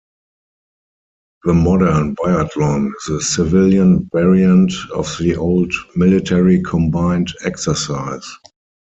The modern biathlon is a civilian variant of the old military combined exercise.